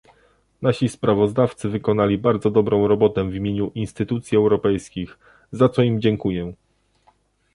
Nasi sprawozdawcy wykonali bardzo dobrą pracę w imieniu instytucji europejskich, za co im dziękuję